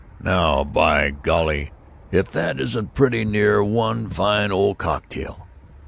"Now, by golly, if that isn't pretty near one fine old cocktail!